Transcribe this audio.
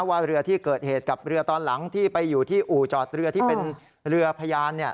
ว่าเรือที่เกิดเหตุกับเรือตอนหลังที่ไปอยู่ที่อู่จอดเรือที่เป็นเรือพยาน